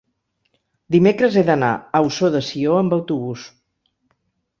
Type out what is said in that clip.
dimecres he d'anar a Ossó de Sió amb autobús.